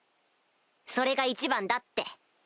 それが一番だって。